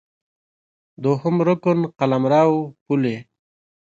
دوهم رکن قلمرو ، پولې